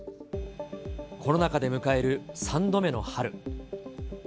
コロナ禍で迎える３度目の春。